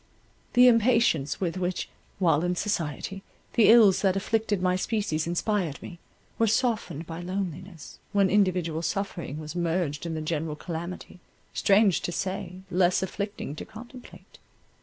The impatience with which, while in society, the ills that afflicted my species inspired me, were softened by loneliness, when individual suffering was merged in the general calamity, strange to say, less afflicting to contemplate.